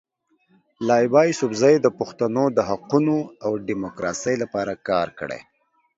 لایبا یوسفزۍ د پښتنو د حقونو او ډیموکراسۍ لپاره کار کړی.